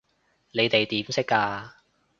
你哋點識㗎？